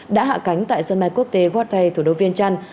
đã hạ cánh tại sân bay quốc tế watay thủ đô viên trăn